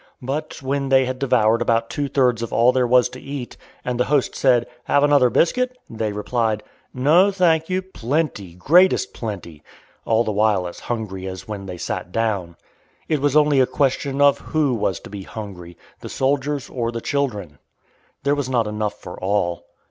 But when they had devoured about two thirds of all there was to eat, and the host said, "Have another biscuit?" they replied, "No, thank you, plenty greatest plenty!" all the while as hungry as when they sat down. It was only a question of who was to be hungry the soldiers or the children. There was not enough for all.